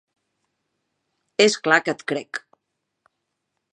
És clar que et crec.